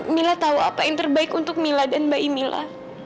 mila tahu apa yang terbaik untuk mila dan mbak imila